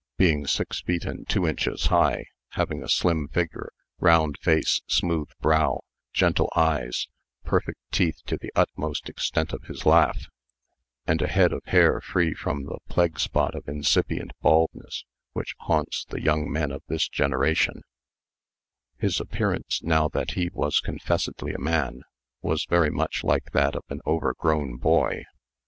Being six feet and two inches high, having a slim figure, round face, smooth brow, gentle eyes, perfect teeth to the utmost extent of his laugh, and a head of hair free from the plague spot of incipient baldness which haunts the young men of this generation, his appearance, now that he was confessedly a man, was very much like that of an overgrown boy.